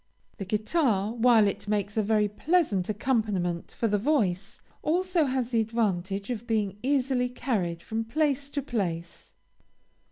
The guitar, while it makes a very pleasant accompaniment for the voice, has also the advantage of being easily carried from place to place.